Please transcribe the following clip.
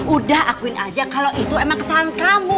udah akuin aja kalau itu emang kesalahan kamu